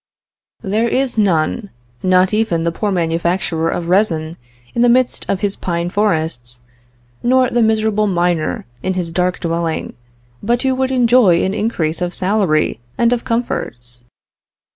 "There is none, not even the poor manufacturer of resin in the midst of his pine forests, nor the miserable miner in his dark dwelling, but who would enjoy an increase of salary and of comforts.